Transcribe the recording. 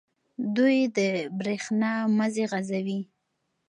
دوی د بریښنا مزي غځوي.